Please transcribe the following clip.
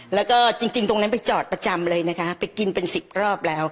แล้วก็จริงตรงนั้นไปจอดประจำเลยนะคะไปกินเป็นสิบรอบแล้ว